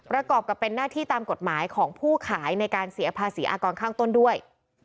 กรอบกับเป็นหน้าที่ตามกฎหมายของผู้ขายในการเสียภาษีอากรข้างต้นด้วย